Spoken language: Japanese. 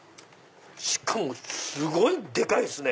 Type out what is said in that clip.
しかもすごいでかいっすね！